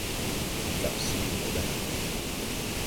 Ndi ŋgab se ɓi mo ɗa.